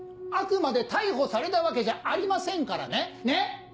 あくまで逮捕されたわけじゃありませんからねねっ？